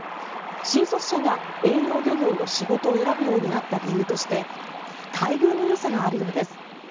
新卒者が遠洋漁業の仕事を選ぶようになった理由として待遇のよさがあるようです。